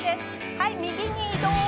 はい、右に移動。